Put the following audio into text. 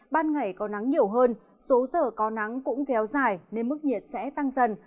ban ngày có nắng nhiều hơn số giờ có nắng cũng kéo dài nên mức nhiệt sẽ tăng dần